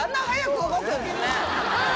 はい。